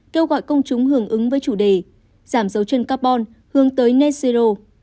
kêu gọi công chúng hưởng ứng với chủ đề giảm dấu chân carbon hướng tới net zero